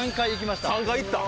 ３回行った？